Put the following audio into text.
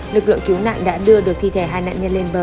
lực lượng cứu nạn đã đưa được thi thể hai nạn nhân lên bờ